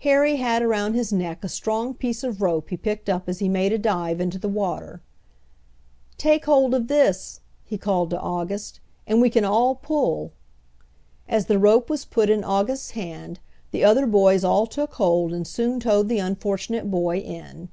Harry had around his neck a strong piece of rope he picked up as he made a dive into the water. "Take hold of this," he called to August, "and we can all pull." As the rope was put in August's hand the other boys all took hold and soon towed the unfortunate boy in.